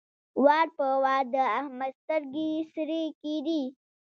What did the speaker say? وار په وار د احمد سترګې سرې کېدې.